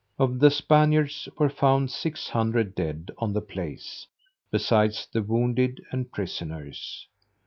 Of the Spaniards were found six hundred dead on the place, besides the wounded and prisoners.